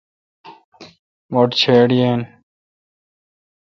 مٹھ چِھڑ یین۔